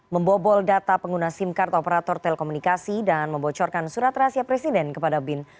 membobol data pengguna sim card operator telekomunikasi dan membocorkan surat rahasia presiden kepada bin